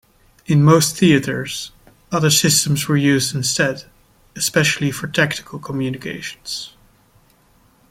In most theatres other systems were used instead, especially for tactical communications.